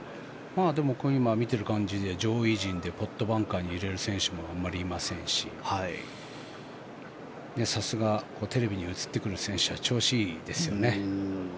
でも、見ている感じで上位陣でポットバンカーに入れる選手もあまりいませんしさすがテレビに映ってくる選手は調子がいいですよね。